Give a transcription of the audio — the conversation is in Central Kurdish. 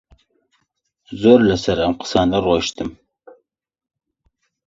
زۆر لەسەر ئەم قسانە ڕۆیشتم